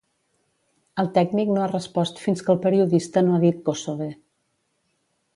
El tècnic no ha respost fins que el periodista no ha dit “Kossove”.